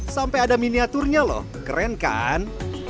sampai ada miniaturnya loh keren kan